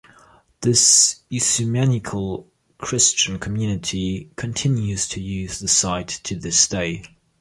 This ecumenical Christian community continues to use the site to this day.